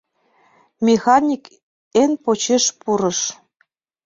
Механик эн почеш пурыш.